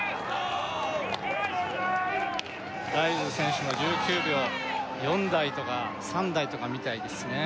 ライルズ選手の１９秒４台とか３台とか見たいですね